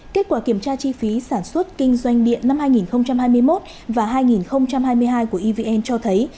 kết quả kiểm tra chi phí sản xuất kinh doanh điện năm hai nghìn hai mươi một và hai nghìn hai mươi hai của evn cho thấy